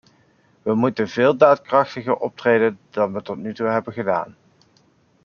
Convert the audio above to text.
We moeten veel daadkrachtiger optreden dan we tot nu toe hebben gedaan.